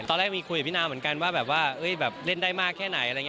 ต้อนแรกมีคุยกับพี่นาวเหมือนกันว่าเล่นได้มากแค่ไหน